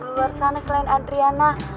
di luar sana selain adriana